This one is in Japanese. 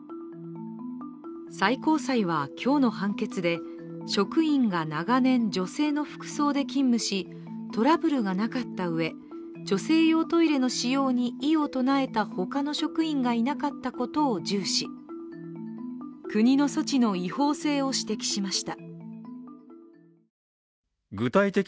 最高裁は今日の判決で、職員が長年、女性の服装で勤務しトラブルがなかったうえ、女性用トイレの使用に異を唱えた他の職員がいなかったことを重視国の措置の違法性を指摘しました。